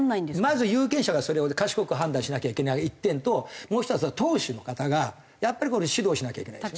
まず有権者がそれを賢く判断しなきゃいけない一点ともう１つは党首の方がやっぱり指導しなきゃいけないですね。